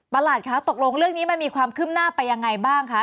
หลัดคะตกลงเรื่องนี้มันมีความคืบหน้าไปยังไงบ้างคะ